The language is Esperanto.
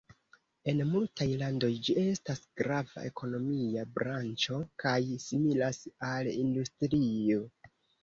En multaj landoj ĝi estas grava ekonomia branĉo kaj similas al industrio.